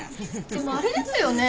でもあれですよね。